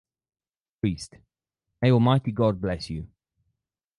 Priest: May almighty God bless you